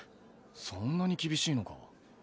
そんなに厳しいのか？